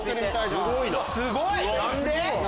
すごいな。